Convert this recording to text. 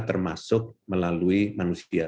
termasuk melalui manusia